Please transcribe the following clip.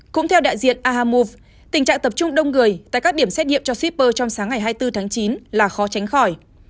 cũng theo đại diện ahamouv tình trạng tập trung đông người tại các điểm xét nghiệm cho shipper trong sáng ngày hai mươi bốn tháng chín là khó tránh khỏi